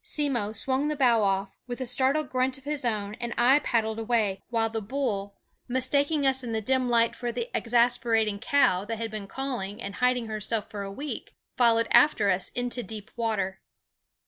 Simmo swung the bow off, with a startled grunt of his own, and I paddled away, while the bull, mistaking us in the dim light for the exasperating cow that had been calling and hiding herself for a week, followed after us into deep water.